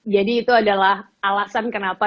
jadi itu adalah alasan kenapa